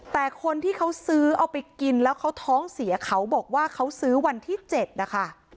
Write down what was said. แต่คนที่เขาซื้อเอาไปกินแล้วเขาท้องเสียเขาบอกว่าเขาซื้อวันที่๗นะคะ